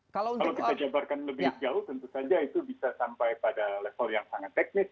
kalau kita jabarkan lebih jauh tentu saja itu bisa sampai pada level yang sangat teknis